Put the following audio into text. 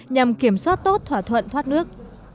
nhằm kiểm soát tốt thỏa thuận thoát nước